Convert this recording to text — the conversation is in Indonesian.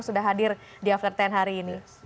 sudah hadir di after sepuluh hari ini